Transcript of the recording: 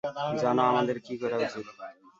জানো আমাদের কী করা উচিত?